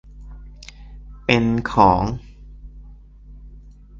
เป็นของ